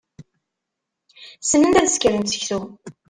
Ssnent ad sekrent seksu.